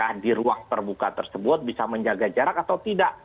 apakah di ruang terbuka tersebut bisa menjaga jarak atau tidak